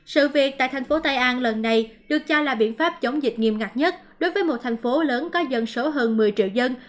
sự việc tại thành phố tây an lần này được cho là biện pháp chống dịch nghiêm ngặt nhất đối với một thành phố lớn có dân số hơn một mươi triệu dân